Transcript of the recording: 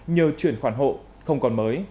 nhờ chuyển khoản hộ không còn mới